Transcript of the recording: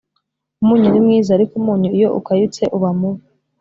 Umunyu ni mwiza ariko umunyu iyo ukayutse uba mubi